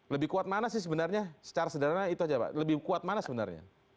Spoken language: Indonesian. lebih kuat mana sih sebenarnya secara sederhana itu aja pak lebih kuat mana sebenarnya